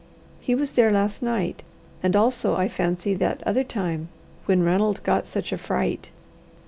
He was there last night, and also, I fancy, that other time, when Ranald got such a fright.